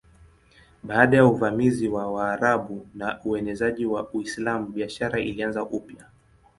Baada ya uvamizi wa Waarabu na uenezaji wa Uislamu biashara ilianza upya.